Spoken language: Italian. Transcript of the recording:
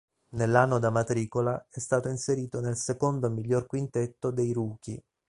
Nell'anno da matricola è stato inserito nel secondo miglior quintetto dei "rookie".